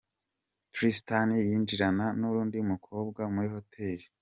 Tristan yinjirana n'undi mukobwa muri hoteli.